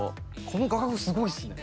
この画角すごいっすね。